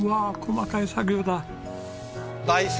細かい作業だ。